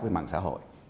với mạng xã hội